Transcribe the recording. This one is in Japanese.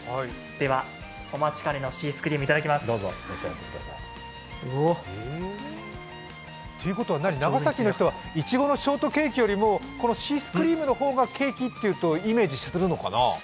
では、お待ちかねのシースクリームいただきます。ということは長崎の人はいちごのショートケーキよりもこのシースクリームの方が、ケーキっていうとイメージしやすいのかな。